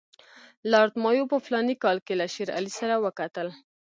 لارډ مایو په فلاني کال کې له شېر علي سره وکتل.